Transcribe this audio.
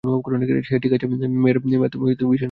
হে, ঠিক আছে, মেয়ার আমি চাই তুমি শ্বাস নাও, ঠিক আছে?